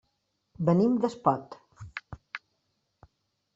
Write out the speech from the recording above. Venim d'Espot.